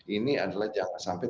ini adalah jangan sampai